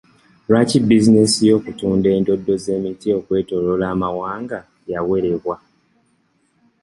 Lwaki bizinensi y'okutunda endoddo z'emiti okwetoloola amawanga yawerebwa?